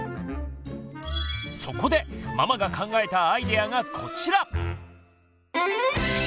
そこでママが考えたアイデアがこちら！